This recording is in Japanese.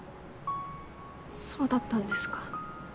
そうだったんですか。